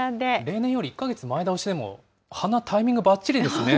例年より１か月前倒しでも、花、タイミングばっちりですね。